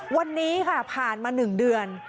วันนี้ค่ะผ่านมา๑เดือน